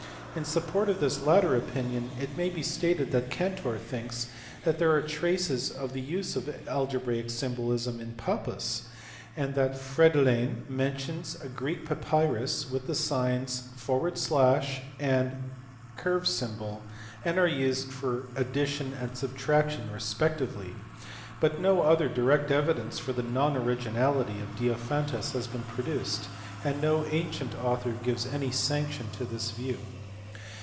In support of this latter opinion it may be stated that Cantor thinks that there are traces of the use of algebraic symbolism in Pappus, and Friedlein mentions a Greek papyrus in which the signs / and 9 are used for addition and subtraction respectively ; but no other direct evidence for the non originality of Diophantus has been produced, and no ancient author gives any sanction to this view.